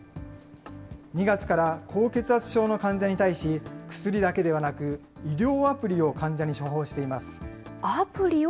２月から高血圧症の患者に対し、薬だけではなく、医療アプリを患者に処方しています。